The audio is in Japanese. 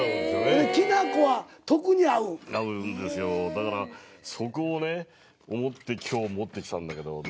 だからそこをね思って今日持ってきたんだけどね。